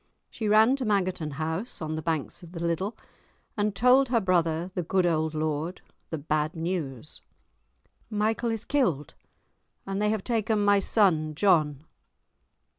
She ran to Mangerton House, on the banks of the Liddel, and told her brother, the good old lord, the bad news. "Michael is killed, and they have taken my son John."